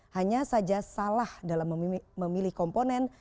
hanya saja salah dalam memilih komponen